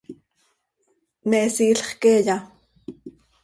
¿Me siilx queeya?